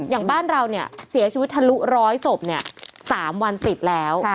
อย่างบ้านเราเสียชีวิตทะลุ๑๐๐ศพ๓วันติดแล้ว